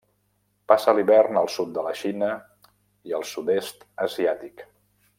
Passa l'hivern al sud de la Xina i el Sud-est Asiàtic.